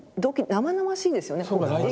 生々しいですね。